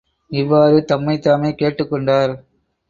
இவ்வாறு தம்மைத்தாமே கேட்டுக்கொண்டார்.